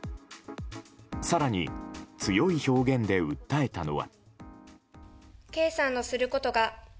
更に、強い表現で訴えたのは。